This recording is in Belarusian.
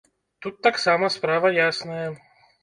Тут таксама справа ясная.